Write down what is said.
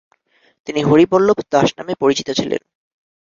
তিনি হরিবল্লভ দাস নামে পরিচিত ছিলেন।